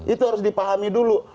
itu harus dipahami dulu